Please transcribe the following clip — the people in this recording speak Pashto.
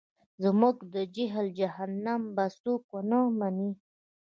زموږ د جهل جهنم به څوک ونه مني.